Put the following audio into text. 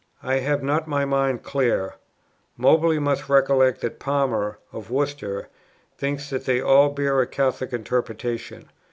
I have not my mind clear. Moberly must recollect that Palmer [of Worcester] thinks they all bear a Catholic interpretation.